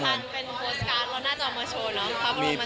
เป็นโพสต์การ์ดเราน่าจะเอามาโชว์เนาะ